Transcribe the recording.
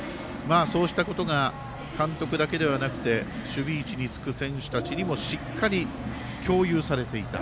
そうしたことが監督だけではなくて守備位置につく選手たちにもしっかり共有されていた。